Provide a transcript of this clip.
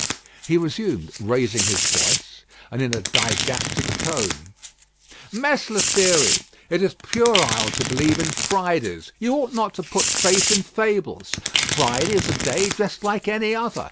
He resumed, raising his voice, and in a didactic tone: "Mess Lethierry, it is puerile to believe in Fridays. You ought not to put faith in fables. Friday is a day just like any other.